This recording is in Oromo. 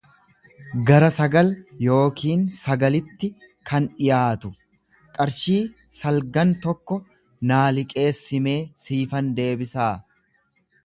gara sagal yookiin sagalitti kan dhiyaatu; Qarshii salgan tokko naa liqeessimee siifan deebisaa.